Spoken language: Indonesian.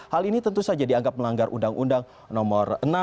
hal ini tentu saja dianggap melanggar undang undang nomor enam